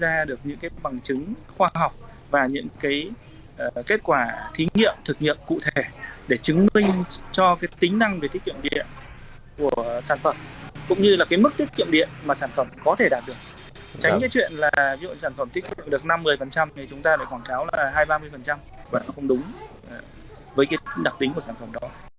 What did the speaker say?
tránh cái chuyện là dụng sản phẩm tiết kiệm được năm mươi thì chúng ta phải quảng cáo là hai mươi ba mươi và nó không đúng với cái đặc tính của sản phẩm đó